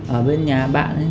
ở bên nhà bạn